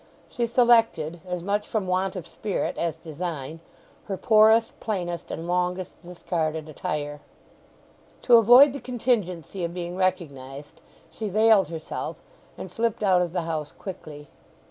She selected—as much from want of spirit as design—her poorest, plainest and longest discarded attire. To avoid the contingency of being recognized she veiled herself, and slipped out of the house quickly.